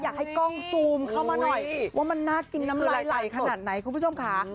อยากให้กล้องซูมเข้ามาหน่อยว่ามันน่ากินน้ำลายไหลขนาดไหนคุณผู้ชมค่ะ